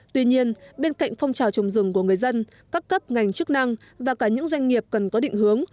tuy nhiên bên cạnh phong trào trồng rừng của người dân các cấp ngành chức năng và cả những doanh nghiệp cần có định hướng